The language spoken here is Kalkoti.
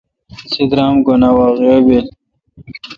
اسے°درامہ گھن اہ واقعہ بیل۔